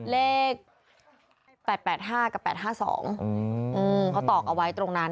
เลข๘๘๕กับ๘๕๒เขาตอกเอาไว้ตรงนั้น